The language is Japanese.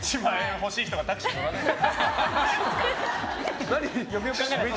欲しい人がタクシー乗らないだろ。